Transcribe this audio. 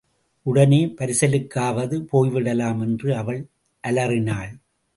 உடனே பரிசலுக்காவது போய் விடலாம் என்று அவள் அலறினாள்.